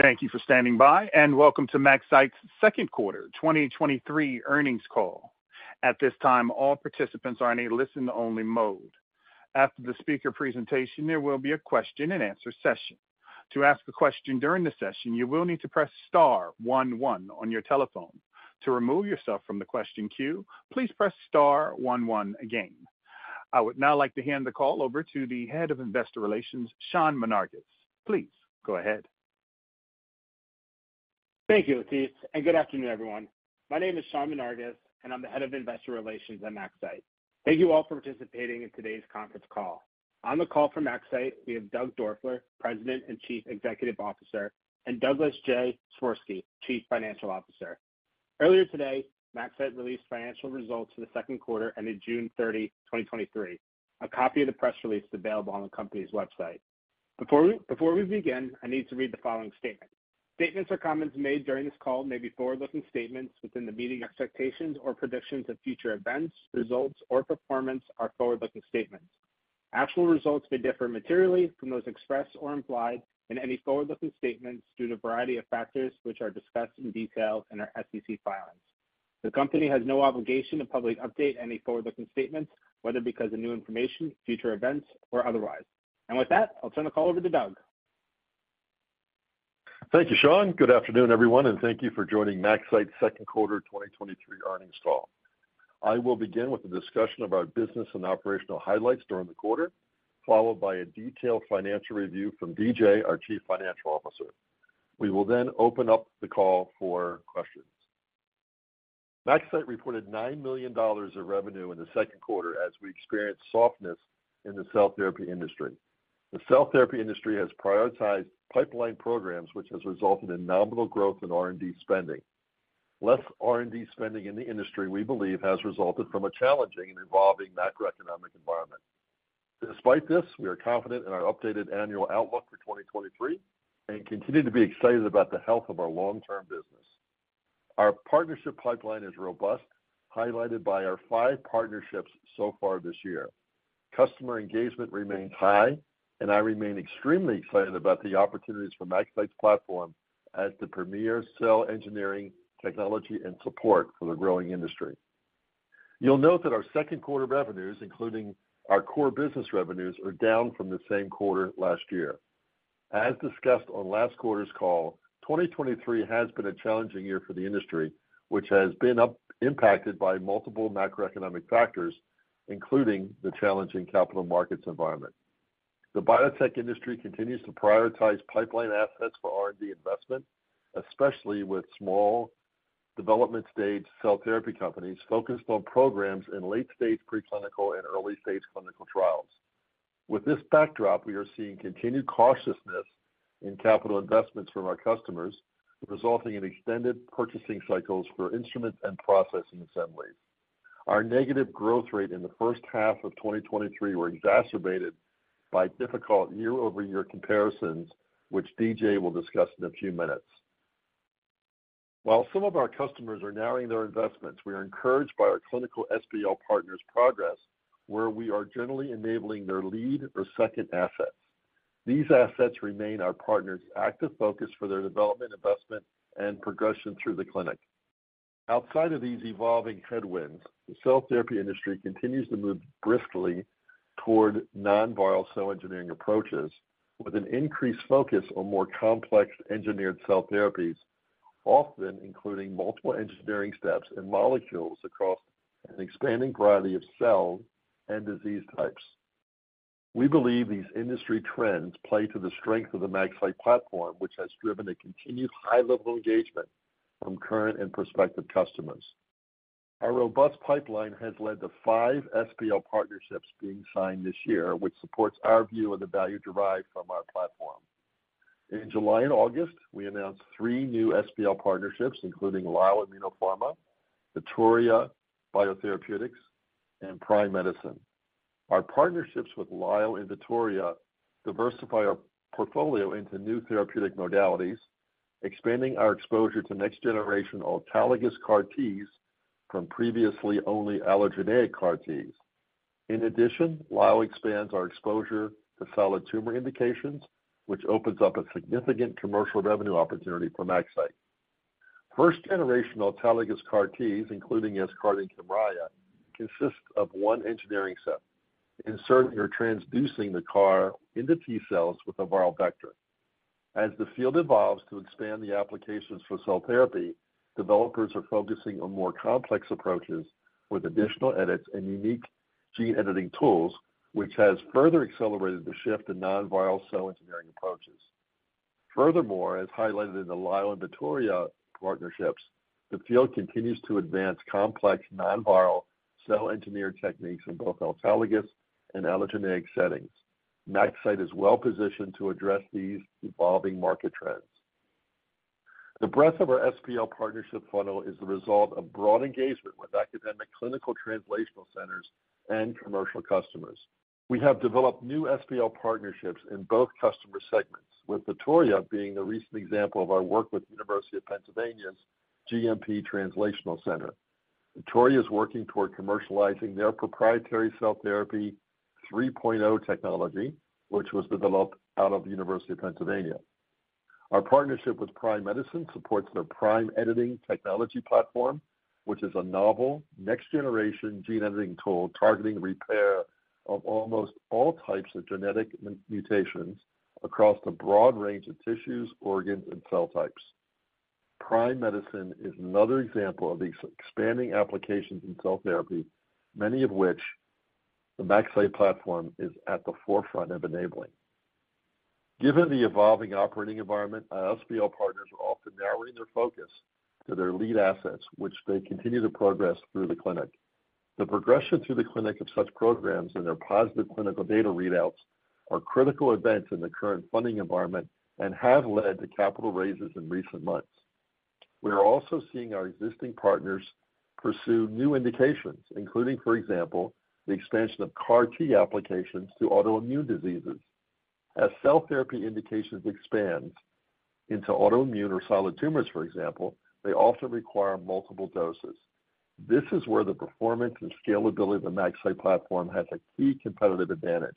Thank you for standing by, and welcome to MaxCyte's second quarter 2023 earnings call. At this time, all participants are in a listen-only mode. After the speaker presentation, there will be a question-and-answer session. To ask a question during the session, you will need to press star 1 on your telephone. To remove yourself from the question queue, please press star 1 again. I would now like to hand the call over to the Head of Investor Relations, Sean Menarguez. Please go ahead. Thank you, Latif. Good afternoon, everyone. My name is Sean Menarguez, and I'm the Head of Investor Relations at MaxCyte. Thank you all for participating in today's conference call. On the call for MaxCyte, we have Doug Doerfler, President and Chief Executive Officer, and Douglas J. Swirsky, Chief Financial Officer. Earlier today, MaxCyte released financial results for the second quarter, ending June 30, 2023. A copy of the press release is available on the company's website. Before we begin, I need to read the following statement. Statements or comments made during this call may be forward-looking statements within the meeting expectations or predictions of future events, results, or performance are forward-looking statements. Actual results may differ materially from those expressed or implied in any forward-looking statements due to a variety of factors, which are discussed in detail in our SEC filings. The company has no obligation to publicly update any forward-looking statements, whether because of new information, future events, or otherwise. With that, I'll turn the call over to Doug. Thank you, Sean. Good afternoon, everyone, and thank you for joining MaxCyte's second quarter 2023 earnings call. I will begin with a discussion of our business and operational highlights during the quarter, followed by a detailed financial review from DJ, our Chief Financial Officer. We will open up the call for questions. MaxCyte reported $9 million of revenue in the second quarter as we experienced softness in the cell therapy industry. The cell therapy industry has prioritized pipeline programs, which has resulted in nominal growth in R&D spending. Less R&D spending in the industry, we believe, has resulted from a challenging and evolving macroeconomic environment. Despite this, we are confident in our updated annual outlook for 2023 and continue to be excited about the health of our long-term business. Our partnership pipeline is robust, highlighted by our five partnerships so far this year. Customer engagement remains high, and I remain extremely excited about the opportunities for MaxCyte's platform as the premier cell engineering technology and support for the growing industry. You'll note that our second quarter revenues, including our core business revenues, are down from the same quarter last year. As discussed on last quarter's call, 2023 has been a challenging year for the industry, which has been impacted by multiple macroeconomic factors, including the challenging capital markets environment. The biotech industry continues to prioritize pipeline assets for R&D investment, especially with small development-stage cell therapy companies focused on programs in late-stage preclinical and early-stage clinical trials. With this backdrop, we are seeing continued cautiousness in capital investments from our customers, resulting in extended purchasing cycles for instrument and Processing Assemblies. Our negative growth rate in the first half of 2023 were exacerbated by difficult year-over-year comparisons, which DJ will discuss in a few minutes. While some of our customers are narrowing their investments, we are encouraged by our clinical SPL partners' progress, where we are generally enabling their lead or second assets. These assets remain our partners' active focus for their development, investment, and progression through the clinic. Outside of these evolving headwinds, the cell therapy industry continues to move briskly toward non-viral cell engineering approaches, with an increased focus on more complex engineered cell therapies, often including multiple engineering steps and molecules across an expanding variety of cells and disease types. We believe these industry trends play to the strength of the MaxCyte platform, which has driven a continued high level of engagement from current and prospective customers. Our robust pipeline has led to 5 SPL partnerships being signed this year, which supports our view of the value derived from our platform. In July and August, we announced 3 new SPL partnerships, including Lyell Immunopharma, Vittoria Biotherapeutics, and Prime Medicine. Our partnerships with Lyell and Vittoria diversify our portfolio into new therapeutic modalities, expanding our exposure to next-generation autologous CAR Ts from previously only allogeneic CAR Ts. In addition, Lyell expands our exposure to solid tumor indications, which opens up a significant commercial revenue opportunity for MaxCyte. First-generation autologous CAR Ts, including Yescarta and Kymriah, consist of 1 engineering step, inserting or transducing the CAR into T-cells with a viral vector. As the field evolves to expand the applications for cell therapy, developers are focusing on more complex approaches with additional edits and unique gene editing tools, which has further accelerated the shift to non-viral cell engineering approaches. Furthermore, as highlighted in the Lyell and Vittoria partnerships, the field continues to advance complex non-viral cell engineered techniques in both autologous and allogeneic settings. MaxCyte is well positioned to address these evolving market trends. The breadth of our SPL partnership funnel is the result of broad engagement with academic, clinical, translational centers, and commercial customers. We have developed new SPL partnerships in both customer segments, with Vittoria being the recent example of our work with University of Pennsylvania's GMP Translational Center. Vittoria is working toward commercializing their proprietary cell therapy 3.0 technology, which was developed out of the University of Pennsylvania. Our partnership with Prime Medicine supports their Prime Editing technology platform, which is a novel next-generation gene editing tool targeting repair of almost all types of genetic mutations across a broad range of tissues, organs, and cell types. Prime Medicine is another example of the expanding applications in cell therapy, many of which the MaxCyte platform is at the forefront of enabling. Given the evolving operating environment, our SPL partners are often narrowing their focus to their lead assets, which they continue to progress through the clinic. The progression through the clinic of such programs and their positive clinical data readouts are critical events in the current funding environment and have led to capital raises in recent months. We are also seeing our existing partners pursue new indications, including, for example, the expansion of CAR T applications to autoimmune diseases. As cell therapy indications expand into autoimmune or solid tumors, for example, they often require multiple doses. This is where the performance and scalability of the MaxCyte platform has a key competitive advantage.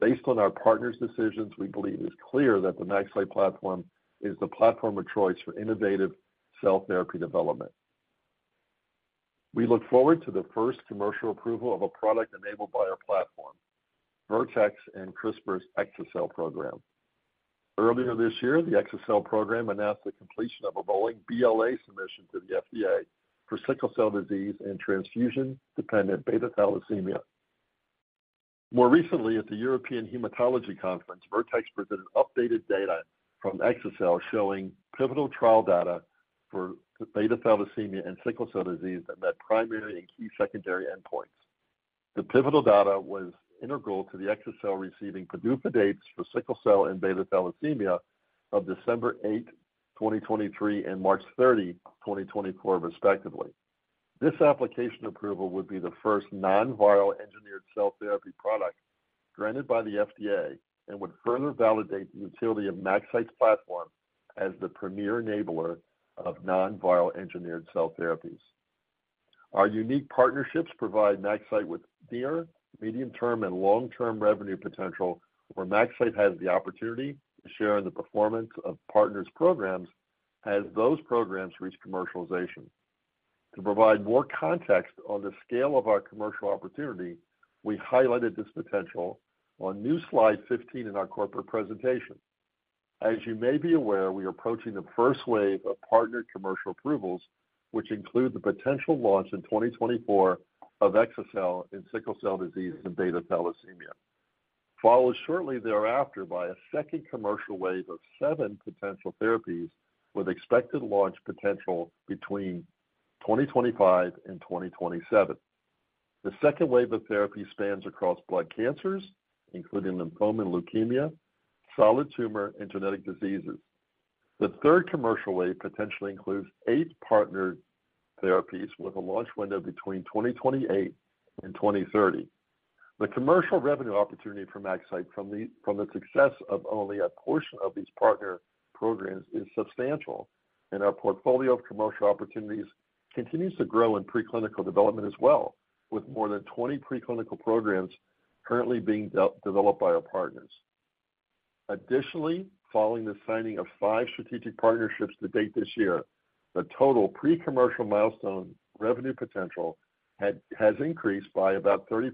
Based on our partners' decisions, we believe it's clear that the MaxCyte platform is the platform of choice for innovative cell therapy development. We look forward to the first commercial approval of a product enabled by our platform, Vertex and CRISPR's exa-cel program. Earlier this year, the exa-cel program announced the completion of a rolling BLA submission to the FDA for sickle cell disease and transfusion-dependent beta thalassemia. More recently, at the European Hematology Conference, Vertex presented updated data from exa-cel, showing pivotal trial data for beta thalassemia and sickle cell disease that met primary and key secondary endpoints. The pivotal data was integral to the exa-cel receiving PDUFA dates for sickle cell and beta thalassemia of December 8, 2023, and March 30, 2024, respectively. This application approval would be the first non-viral engineered cell therapy product granted by the FDA and would further validate the utility of MaxCyte's platform as the premier enabler of non-viral engineered cell therapies. Our unique partnerships provide MaxCyte with near, medium-term, and long-term revenue potential, where MaxCyte has the opportunity to share in the performance of partners' programs as those programs reach commercialization. To provide more context on the scale of our commercial opportunity, we highlighted this potential on new slide 15 in our corporate presentation. As you may be aware, we are approaching the first wave of partnered commercial approvals, which include the potential launch in 2024 of exa-cel in sickle cell disease and beta thalassemia, followed shortly thereafter by a second commercial wave of seven potential therapies with expected launch potential between 2025 and 2027. The second wave of therapy spans across blood cancers, including lymphoma and leukemia, solid tumor, and genetic diseases. The third commercial wave potentially includes eight partnered therapies with a launch window between 2028 and 2030. The commercial revenue opportunity for MaxCyte from the success of only a portion of these partner programs is substantial, and our portfolio of commercial opportunities continues to grow in preclinical development as well, with more than 20 preclinical programs currently being developed by our partners. Additionally, following the signing of 5 strategic partnerships to date this year, the total pre-commercial milestone revenue potential has increased by about 30%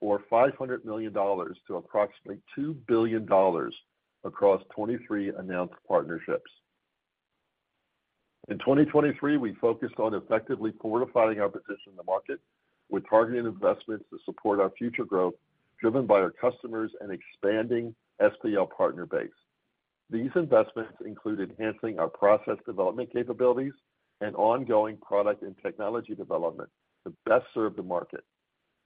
or $500 million to approximately $2 billion across 23 announced partnerships. In 2023, we focused on effectively fortifying our position in the market with targeted investments to support our future growth, driven by our customers and expanding SPL partner base. These investments include enhancing our process development capabilities and ongoing product and technology development to best serve the market.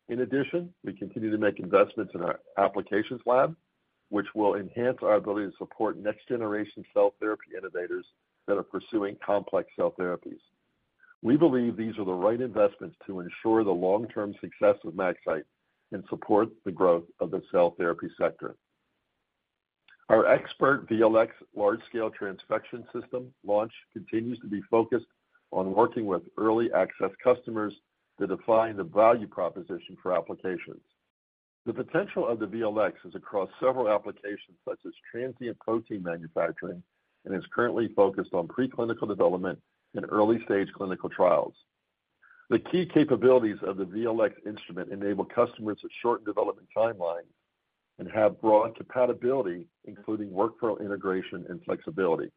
In addition, we continue to make investments in our applications lab, which will enhance our ability to support next-generation cell therapy innovators that are pursuing complex cell therapies. We believe these are the right investments to ensure the long-term success of MaxCyte and support the growth of the cell therapy sector. Our ExPERT VLx large-scale transfection system launch continues to be focused on working with early access customers to define the value proposition for applications. The potential of the VLx is across several applications, such as transient protein manufacturing, and is currently focused on preclinical development and early-stage clinical trials. The key capabilities of the VLx instrument enable customers to shorten development timelines and have broad compatibility, including workflow integration and flexibility.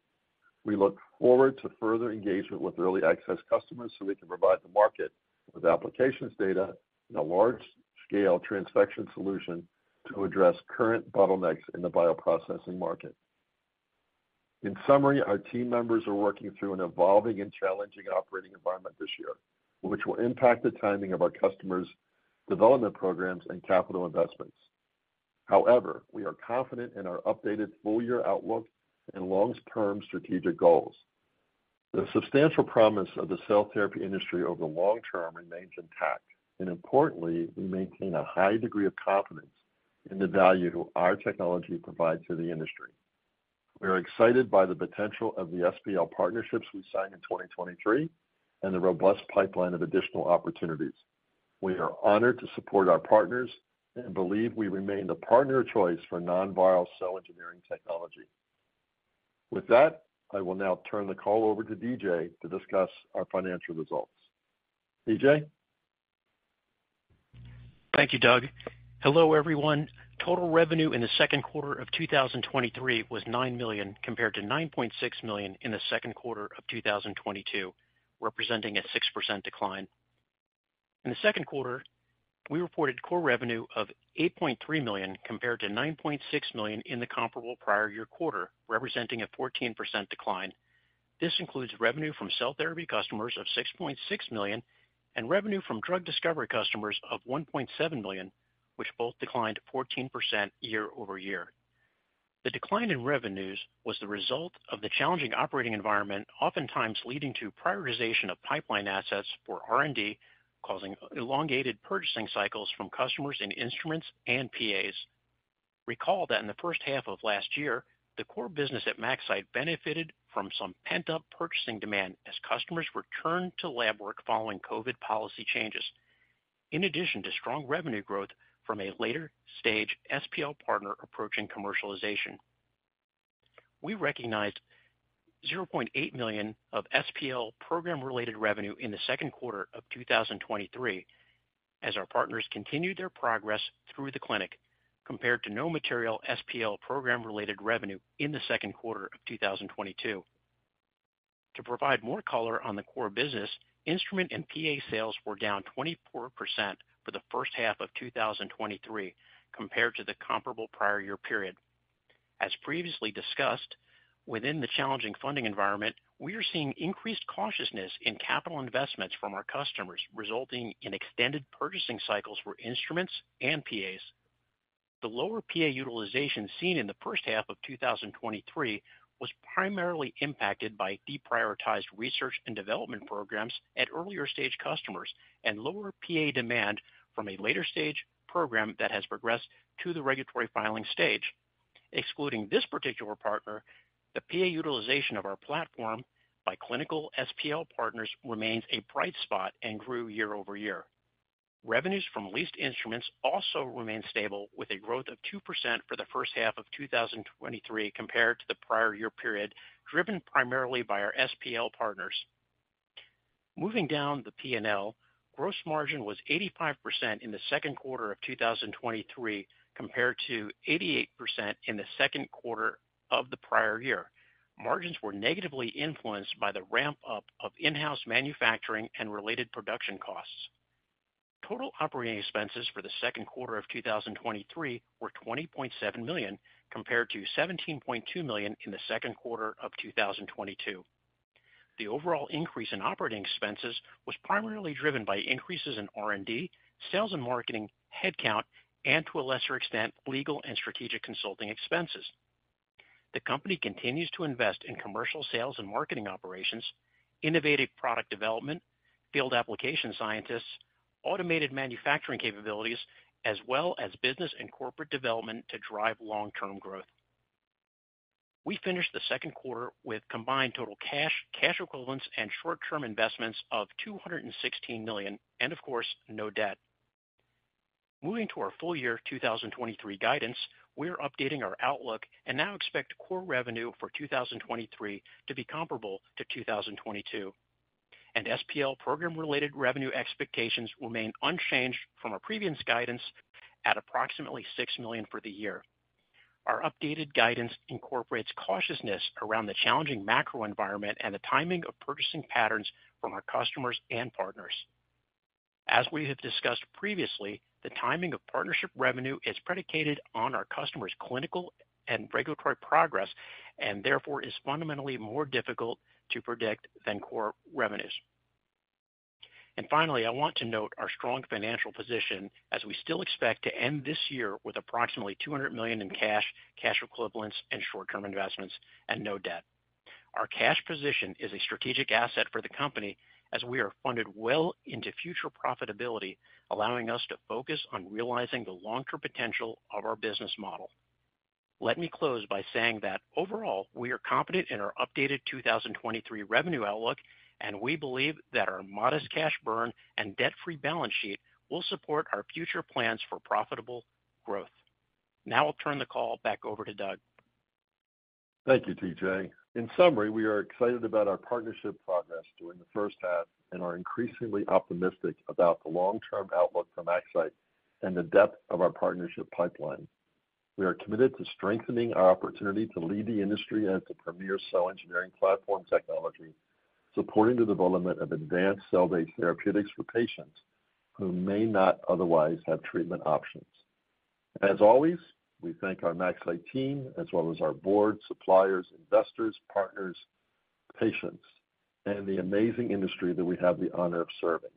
We look forward to further engagement with early access customers, so we can provide the market with applications data and a large-scale transfection solution to address current bottlenecks in the bioprocessing market. In summary, our team members are working through an evolving and challenging operating environment this year, which will impact the timing of our customers' development programs and capital investments. However, we are confident in our updated full-year outlook and long-term strategic goals. The substantial promise of the cell therapy industry over the long term remains intact. Importantly, we maintain a high degree of confidence in the value our technology provides to the industry. We are excited by the potential of the SPL partnerships we signed in 2023 and the robust pipeline of additional opportunities. We are honored to support our partners and believe we remain the partner of choice for non-viral cell engineering technology. With that, I will now turn the call over to DJ to discuss our financial results. DJ? Thank you, Doug. Hello, everyone. Total revenue in the second quarter of 2023 was $9 million, compared to $9.6 million in the second quarter of 2022, representing a 6% decline. In the second quarter, we reported core revenue of $8.3 million compared to $9.6 million in the comparable prior year quarter, representing a 14% decline. This includes revenue from cell therapy customers of $6.6 million and revenue from drug discovery customers of $1.7 million, which both declined 14% year-over-year. The decline in revenues was the result of the challenging operating environment, oftentimes leading to prioritization of pipeline assets for R&D, causing elongated purchasing cycles from customers in instruments and PAs. Recall that in the first half of last year, the core business at MaxCyte benefited from some pent-up purchasing demand as customers returned to lab work following COVID policy changes, in addition to strong revenue growth from a later-stage SPL partner approaching commercialization. We recognized $0.8 million of SPL program-related revenue in the second quarter of 2023, as our partners continued their progress through the clinic, compared to no material SPL program-related revenue in the second quarter of 2022. To provide more color on the core business, instrument and PA sales were down 24% for the first half of 2023 compared to the comparable prior year period. As previously discussed, within the challenging funding environment, we are seeing increased cautiousness in capital investments from our customers, resulting in extended purchasing cycles for instruments and PAs. The lower PA utilization seen in the first half of 2023 was primarily impacted by deprioritized research and development programs at earlier stage customers and lower PA demand from a later stage program that has progressed to the regulatory filing stage. Excluding this particular partner, the PA utilization of our platform by clinical SPL partners remains a bright spot and grew year-over-year. Revenues from leased instruments also remained stable, with a growth of 2% for the first half of 2023 compared to the prior year period, driven primarily by our SPL partners. Moving down the P&L, gross margin was 85% in the second quarter of 2023, compared to 88% in the second quarter of the prior year. Margins were negatively influenced by the ramp-up of in-house manufacturing and related production costs. Total operating expenses for the second quarter of 2023 were $20.7 million, compared to $17.2 million in the second quarter of 2022. The overall increase in operating expenses was primarily driven by increases in R&D, sales and marketing, headcount, and to a lesser extent, legal and strategic consulting expenses. The company continues to invest in commercial sales and marketing operations, innovative product development, field application scientists, automated manufacturing capabilities, as well as business and corporate development to drive long-term growth. We finished the second quarter with combined total cash, cash equivalents, and short-term investments of $216 million and, of course, no debt. Moving to our full year 2023 guidance, we are updating our outlook and now expect core revenue for 2023 to be comparable to 2022, and SPL program-related revenue expectations remain unchanged from our previous guidance at approximately $6 million for the year. Our updated guidance incorporates cautiousness around the challenging macro environment and the timing of purchasing patterns from our customers and partners. As we have discussed previously, the timing of partnership revenue is predicated on our customers' clinical and regulatory progress, and therefore is fundamentally more difficult to predict than core revenues. Finally, I want to note our strong financial position as we still expect to end this year with approximately $200 million in cash, cash equivalents, and short-term investments and no debt. Our cash position is a strategic asset for the company as we are funded well into future profitability, allowing us to focus on realizing the long-term potential of our business model. Let me close by saying that overall, we are confident in our updated 2023 revenue outlook, and we believe that our modest cash burn and debt-free balance sheet will support our future plans for profitable growth. Now I'll turn the call back over to Doug. Thank you, DJ. In summary, we are excited about our partnership progress during the first half and are increasingly optimistic about the long-term outlook for MaxCyte and the depth of our partnership pipeline. We are committed to strengthening our opportunity to lead the industry as the premier cell engineering platform technology, supporting the development of advanced cell-based therapeutics for patients who may not otherwise have treatment options. As always, we thank our MaxCyte team, as well as our board, suppliers, investors, partners, patients, and the amazing industry that we have the honor of serving.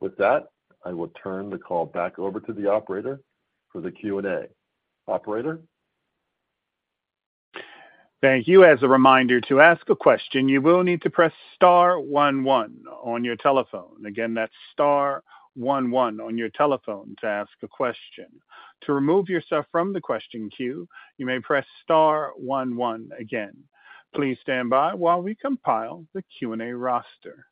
With that, I will turn the call back over to the operator for the Q&A. Operator? Thank you. As a reminder, to ask a question, you will need to press star one one on your telephone. Again, that's star one one on your telephone to ask a question. To remove yourself from the question queue, you may press star one one again. Please stand by while we compile the Q&A roster.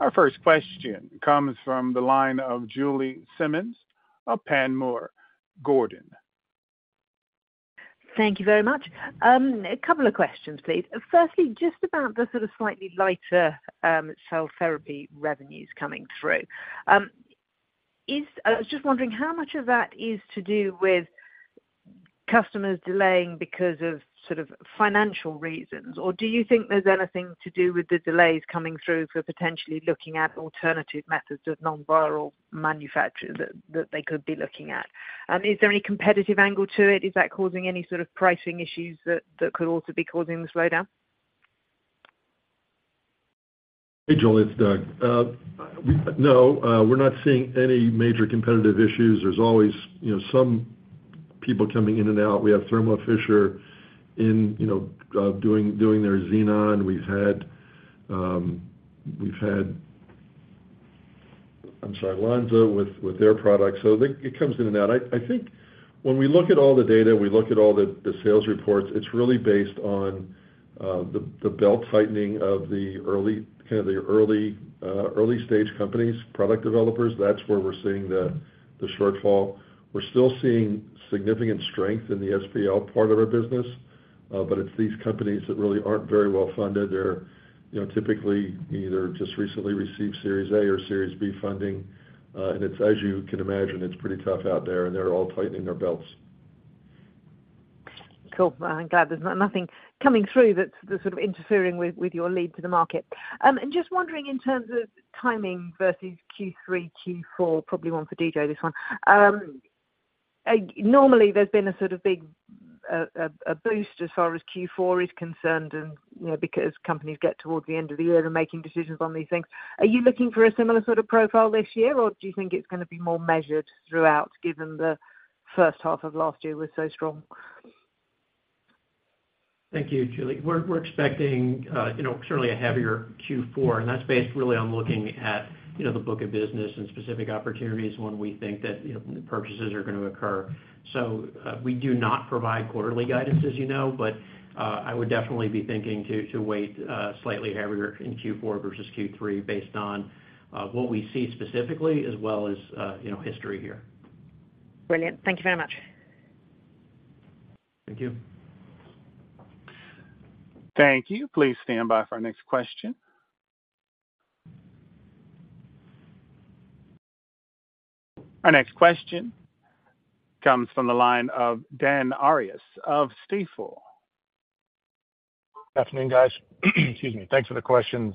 Our first question comes from the line of Julie Simmonds of Panmure Gordon. Thank you very much. A couple of questions, please. Firstly, just about the sort of slightly lighter cell therapy revenues coming through. I was just wondering how much of that is to do with customers delaying because of sort of financial reasons? Do you think there's anything to do with the delays coming through for potentially looking at alternative methods of non-viral manufacture that, that they could be looking at? Is there any competitive angle to it? Is that causing any sort of pricing issues that, that could also be causing the slowdown? Hey, Julie, it's Doug. We're not seeing any major competitive issues. There's always, you know, some people coming in and out. We have Thermo Fisher in, you know, doing their Neon. We've had, I'm sorry, Lonza, with their products. It comes in and out. I, I think when we look at all the data, we look at all the sales reports, it's really based on the belt tightening of the early, kind of the early-stage companies, product developers. That's where we're seeing the shortfall. We're still seeing significant strength in the SPL part of our business. It's these companies that really aren't very well funded. They're, you know, typically either just recently received Series A or Series B funding. It's, as you can imagine, it's pretty tough out there, and they're all tightening their belts. Cool. Well, I'm glad there's no nothing coming through that's, that's sort of interfering with, with your lead to the market. Just wondering in terms of timing versus Q3, Q4, probably one for DJ, this one. Normally, there's been a sort of big, a boost as far as Q4 is concerned and, you know, because companies get toward the end of the year, they're making decisions on these things. Are you looking for a similar sort of profile this year, or do you think it's gonna be more measured throughout, given the first half of last year was so strong? Thank you, Julie. We're expecting, you know, certainly a heavier Q4. That's based really on looking at, you know, the book of business and specific opportunities when we think that, you know, purchases are gonna occur. We do not provide quarterly guidance, as you know, but I would definitely be thinking to weight slightly heavier in Q4 versus Q3, based on what we see specifically as well as, you know, history here. Brilliant. Thank you very much. Thank you. Thank you. Please stand by for our next question. Our next question comes from the line of Dan Arias of Stifel. Good afternoon, guys. Excuse me. Thanks for the questions.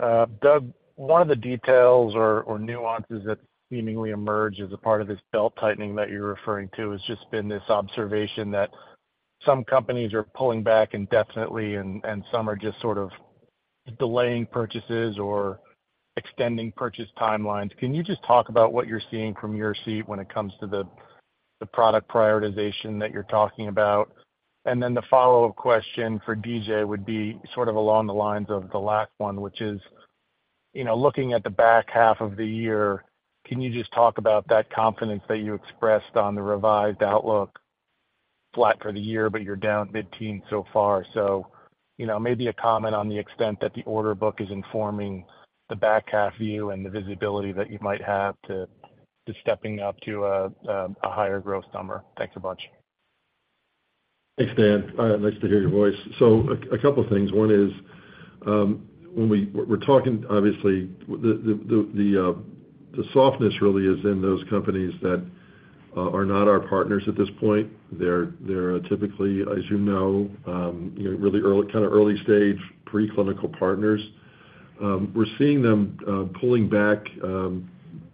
Doug, one of the details or nuances that seemingly emerge as a part of this belt-tightening that you're referring to, has just been this observation that some companies are pulling back indefinitely, and some are just sort of delaying purchases or extending purchase timelines. Can you just talk about what you're seeing from your seat when it comes to the product prioritization that you're talking about? Then the follow-up question for DJ would be sort of along the lines of the last one, which is, you know, looking at the back half of the year, can you just talk about that confidence that you expressed on the revised outlook, flat for the year, but you're down mid-teen so far? You know, maybe a comment on the extent that the order book is informing the back half view and the visibility that you might have to, to stepping up to a, a higher growth number. Thanks a bunch. Thanks, Dan. Nice to hear your voice. A couple of things. One is, when we're talking, obviously, the softness really is in those companies that are not our partners at this point. They're typically, as you know, really early, kind of early-stage, preclinical partners. We're seeing them pulling back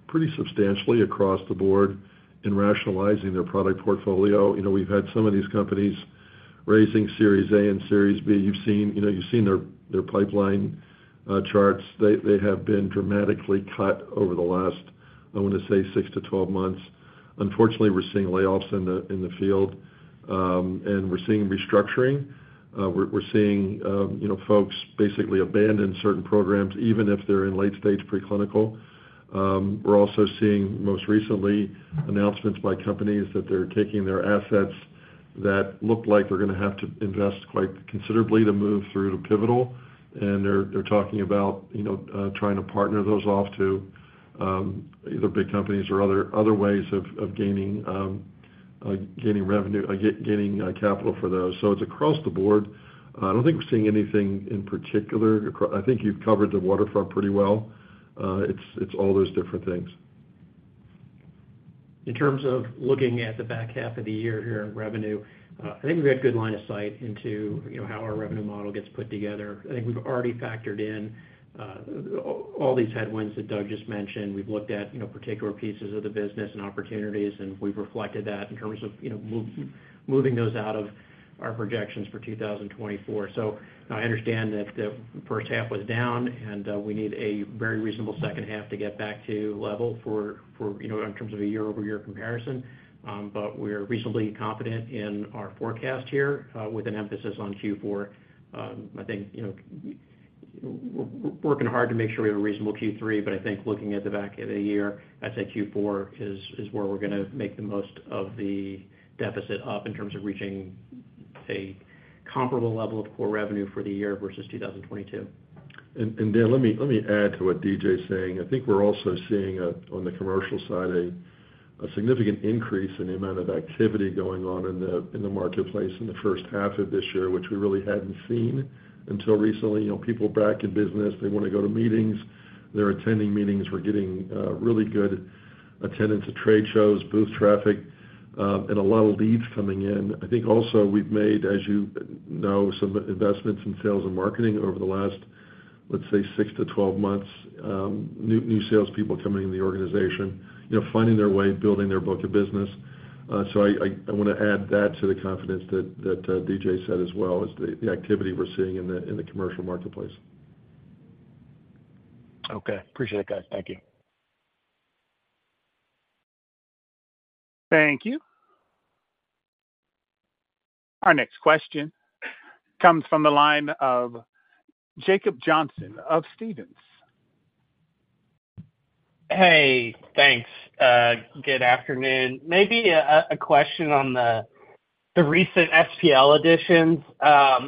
pretty substantially across the board in rationalizing their product portfolio. You know, we've had some of these companies raising Series A and Series B. You've seen, you know, you've seen their pipeline charts. They have been dramatically cut over the last, I want to say, 6 to 12 months. Unfortunately, we're seeing layoffs in the field, and we're seeing restructuring. We're, we're seeing, you know, folks basically abandon certain programs, even if they're in late-stage preclinical. We're also seeing, most recently, announcements by companies that they're taking their assets that look like they're gonna have to invest quite considerably to move through to pivotal, and they're, they're talking about, you know, trying to partner those off to either big companies or other, other ways of, of gaining revenue, gaining capital for those. It's across the board. I don't think we're seeing anything in particular. I think you've covered the waterfront pretty well. It's, it's all those different things. In terms of looking at the back half of the year here in revenue, I think we've got good line of sight into, you know, how our revenue model gets put together. I think we've already factored in, all, all these headwinds that Doug just mentioned. We've looked at, you know, particular pieces of the business and opportunities, and we've reflected that in terms of, you know, moving those out of our projections for 2024. I understand that the first half was down, and we need a very reasonable second half to get back to level for, for, you know, in terms of a year-over-year comparison. We're reasonably confident in our forecast here, with an emphasis on Q4. I think, you know. Working hard to make sure we have a reasonable Q3, but I think looking at the back of the year, I'd say Q4 is, is where we're gonna make the most of the deficit up in terms of reaching a comparable level of core revenue for the year versus 2022. Dan, let me, let me add to what DJ's saying. I think we're also seeing on the commercial side, a significant increase in the amount of activity going on in the marketplace in the first half of this year, which we really hadn't seen until recently. You know, people are back in business. They want to go to meetings. They're attending meetings. We're getting really good attendance at trade shows, booth traffic, and a lot of leads coming in. I think also we've made, as you know, some investments in sales and marketing over the last, let's say, six to 12 months. New, new salespeople coming in the organization, you know, finding their way, building their book of business. I, I, I want to add that to the confidence that, that, DJ said as well, is the, the activity we're seeing in the, in the commercial marketplace. Okay. Appreciate it, guys. Thank you. Thank you. Our next question comes from the line of Jacob Johnson of Stephens. Hey, thanks. good afternoon. Maybe a question on the recent SPL additions.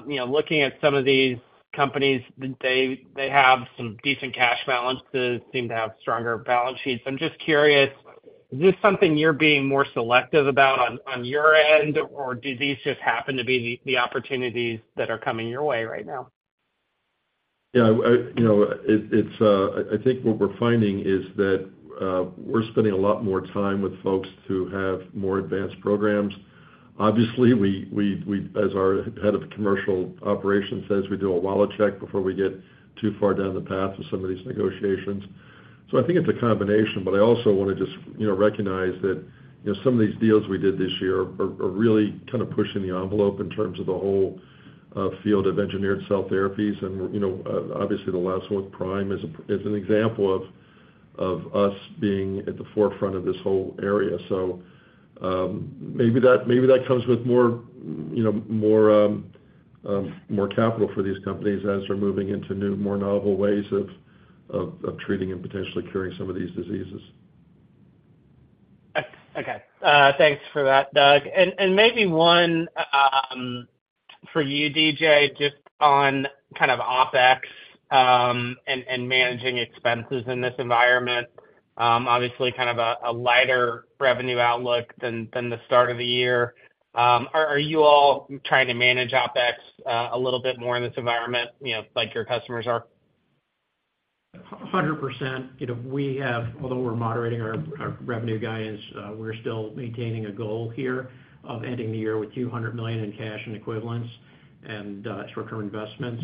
you know, looking at some of these companies, they, they have some decent cash balances, seem to have stronger balance sheets. I'm just curious, is this something you're being more selective about on your end, or do these just happen to be the opportunities that are coming your way right now? Yeah, I, I, you know, it, it's... I, I think what we're finding is that we're spending a lot more time with folks who have more advanced programs. Obviously, we, we, we, as our head of commercial operations says, we do a wallet check before we get too far down the path with some of these negotiations. I think it's a combination, but I also want to just, you know, recognize that, you know, some of these deals we did this year are really kind of pushing the envelope in terms of the whole field of engineered cell therapies. You know, obviously, the last one, Prime, is an example of us being at the forefront of this whole area. maybe that, maybe that comes with more, you know, more, more capital for these companies as they're moving into new, more novel ways of, of, of treating and potentially curing some of these diseases. Okay. Thanks for that, Doug. Maybe one for you, DJ, just on kind of OpEx and managing expenses in this environment. Obviously, kind of a lighter revenue outlook than the start of the year. Are you all trying to manage OpEx a little bit more in this environment, you know, like your customers are? 100%. You know, we have-- although we're moderating our, our revenue guidance, we're still maintaining a goal here of ending the year with $200 million in cash and equivalents and short-term investments.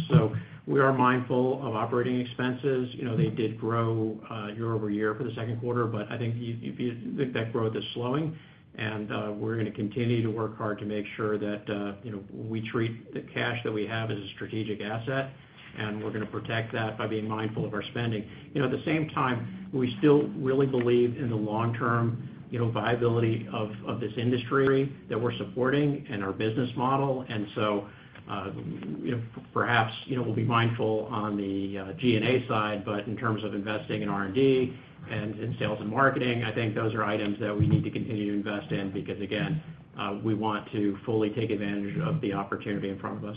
We are mindful of operating expenses. You know, they did grow year-over-year for the second quarter, but I think you, you, I think that growth is slowing, and we're gonna continue to work hard to make sure that, you know, we treat the cash that we have as a strategic asset, and we're gonna protect that by being mindful of our spending. You know, at the same time, we still really believe in the long-term, you know, viability of, of this industry that we're supporting and our business model. You know, perhaps, you know, we'll be mindful on the G&A side, but in terms of investing in R&D and in sales and marketing, I think those are items that we need to continue to invest in, because, again, we want to fully take advantage of the opportunity in front of us.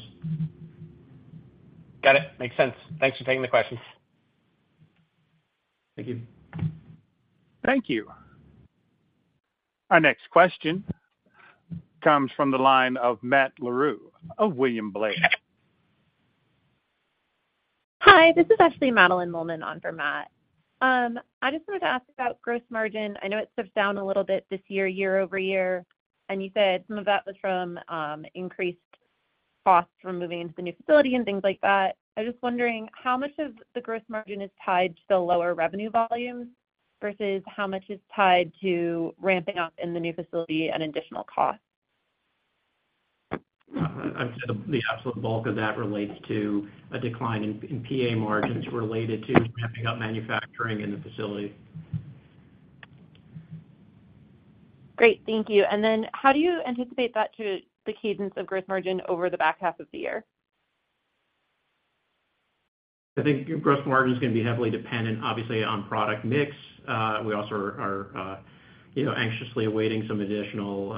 Got it. Makes sense. Thanks for taking the questions. Thank you. Thank you. Our next question comes from the line of Matt Larew of William Blair. Hi, this is actually Madeline Mullen on for Matt. I just wanted to ask about gross margin. I know it slipped down a little bit this year, year-over-year, and you said some of that was from increased costs from moving into the new facility and things like that. I'm just wondering how much of the gross margin is tied to the lower revenue volumes, versus how much is tied to ramping up in the new facility and additional costs? I'd say the absolute bulk of that relates to a decline in, in PA margins related to ramping up manufacturing in the facility. Great. Thank you. Then how do you anticipate that to the cadence of gross margin over the back half of the year? I think gross margin is gonna be heavily dependent, obviously, on product mix. We also are, you know, anxiously awaiting some additional,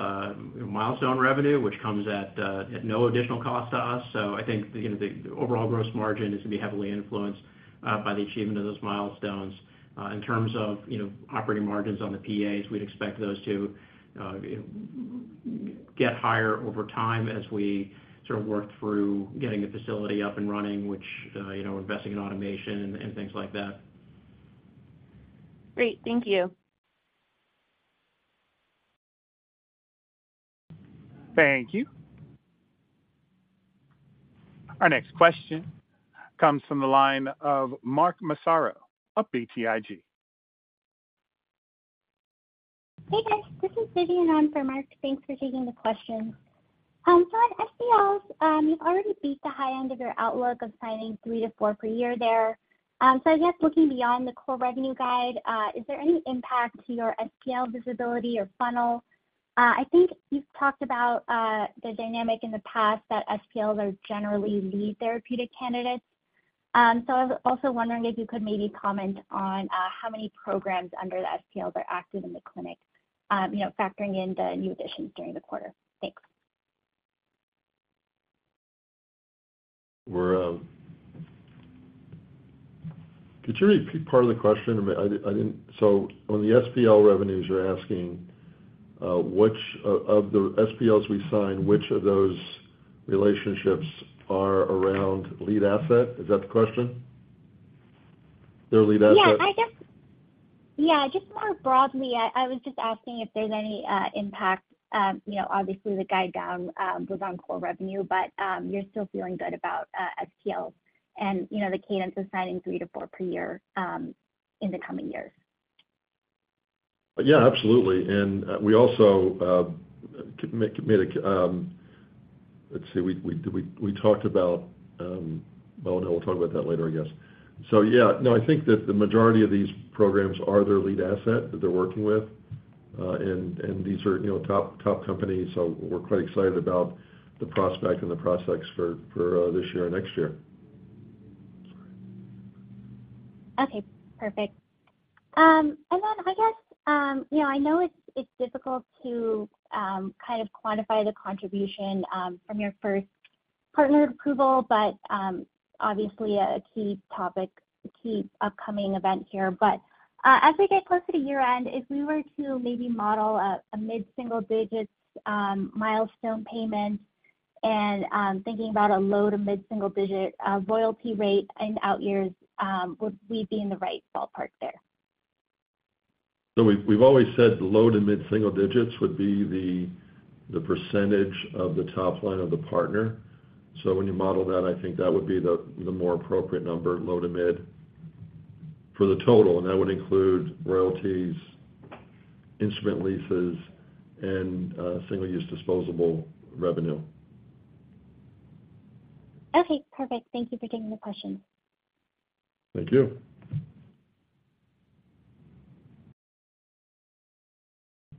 milestone revenue, which comes at, at no additional cost to us. I think, you know, the overall gross margin is gonna be heavily influenced, by the achievement of those milestones. In terms of, you know, operating margins on the PAs, we'd expect those to, get higher over time as we sort of work through getting the facility up and running, which, you know, investing in automation and, and things like that. Great. Thank you. Thank you. Our next question comes from the line of Mark Massaro of BTIG. Hey, guys, this is Vivian on for Mark. Thanks for taking the question. On SPLs, you've already beat the high end of your outlook of signing three to four per year there. I guess looking beyond the core revenue guide, is there any impact to your SPL visibility or funnel? I think you've talked about the dynamic in the past that SPLs are generally lead therapeutic candidates. I was also wondering if you could maybe comment on how many programs under the SPLs are active in the clinic, you know, factoring in the new additions during the quarter? Thanks. Could you repeat part of the question? I mean, on the SPL revenues, you're asking, which of the SPLs we signed, which of those relationships are around lead asset? Is that the question? Their lead asset? Yeah, I guess. Yeah, just more broadly, I, I was just asking if there's any impact, you know, obviously, the guide down was on core revenue, but you're still feeling good about SPLs and, you know, the cadence of signing three to four per year in the coming years. Yeah, absolutely. We also, Let's see, we talked about, well, no, we'll talk about that later, I guess. Yeah. No, I think that the majority of these programs are their lead asset that they're working with, and these are, you know, top, top companies, so we're quite excited about the prospect and the prospects for this year and next year. Okay, perfect. I guess, you know, I know it's, it's difficult to kind of quantify the contribution from your first partner approval, obviously a key topic, a key upcoming event here. As we get close to the year-end, if we were to maybe model a mid-single digits milestone payment and thinking about a low to mid-single digit royalty rate in the out years, would we be in the right ballpark there? We've, we've always said the low to mid-single digits would be the, the percentage of the top line of the partner. When you model that, I think that would be the, the more appropriate number, low to mid, for the total, and that would include royalties, instrument leases, and single-use disposable revenue. Okay, perfect. Thank you for taking the question. Thank you.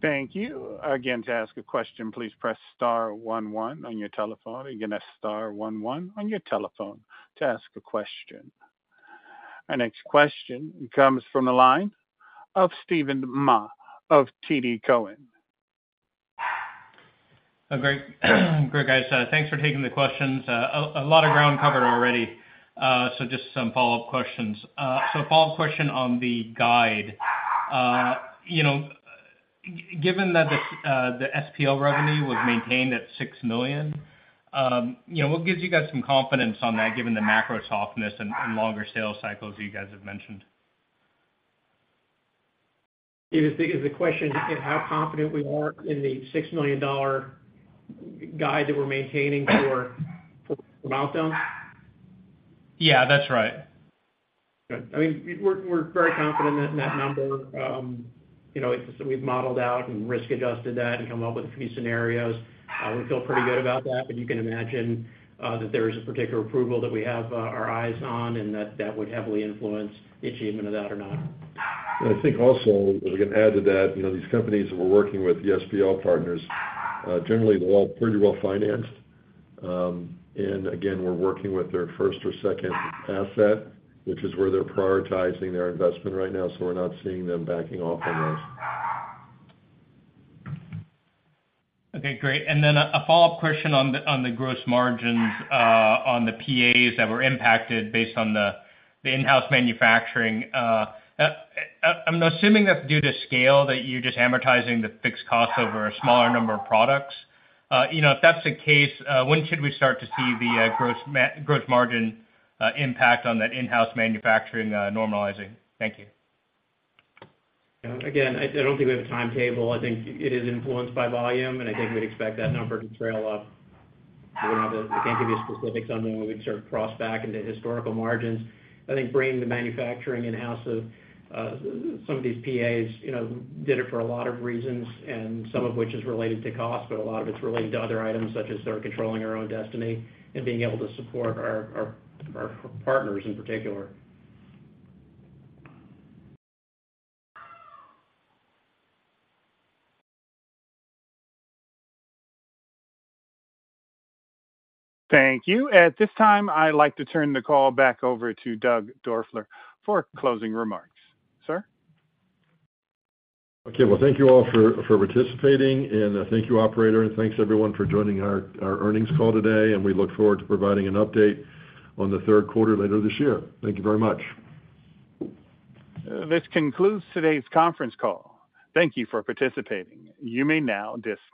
Thank you. Again, to ask a question, please press star one one on your telephone. Again, that's star one one on your telephone to ask a question. Our next question comes from the line of Steven Mah of TD Cowen. Greg, Greg, I said thanks for taking the questions. A lot of ground covered already, so just some follow-up questions. A follow-up question on the guide. You know, given that the SPL revenue was maintained at $6 million, you know, what gives you guys some confidence on that, given the macro softness and, and longer sales cycles you guys have mentioned? It is the question, is how confident we are in the $6 million guide that we're maintaining for, for the milestone? Yeah, that's right. Good. I mean, we're, we're very confident in that, that number. You know, so we've modeled out and risk-adjusted that and come up with a few scenarios. We feel pretty good about that, but you can imagine, that there is a particular approval that we have, our eyes on, and that, that would heavily influence the achievement of that or not. I think also, we can add to that, you know, these companies that we're working with, the SPL partners, generally, they're all pretty well financed. Again, we're working with their first or second asset, which is where they're prioritizing their investment right now, so we're not seeing them backing off on us. Okay, great. Then a, a follow-up question on the, on the gross margins, on the PAs that were impacted based on the, the in-house manufacturing. I'm assuming that's due to scale, that you're just amortizing the fixed costs over a smaller number of products. You know, if that's the case, when should we start to see the gross margin impact on that in-house manufacturing normalizing? Thank you. Yeah. Again, I, I don't think we have a timetable. I think it is influenced by volume, and I think we'd expect that number to trail off. We don't have We can't give you specifics on when we would sort of cross back into historical margins. I think bringing the manufacturing in-house of some of these PAs, you know, did it for a lot of reasons, and some of which is related to cost, but a lot of it's related to other items, such as sort of controlling our own destiny and being able to support our, our, our partners in particular. Thank you. At this time, I'd like to turn the call back over to Doug Doerfler for closing remarks. Sir? Okay. Well, thank you all for, for participating, and thank you, operator, and thanks, everyone, for joining our, our earnings call today. We look forward to providing an update on the third quarter later this year. Thank you very much. This concludes today's conference call. Thank you for participating. You may now disconnect.